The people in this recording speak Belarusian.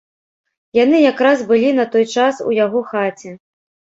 Яны якраз былі на той час у яго хаце.